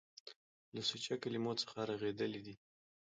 له سوچه کلمو څخه رغېدلي دي.